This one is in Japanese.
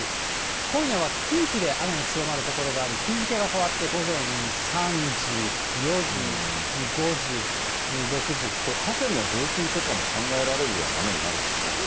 今夜は近畿で雨の強まる所があり、日付が変わって午前３時、４時、これ、河川の増水とかも考えられるような雨になるんですかね。